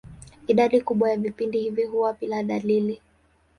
Idadi kubwa ya vipindi hivi huwa bila dalili.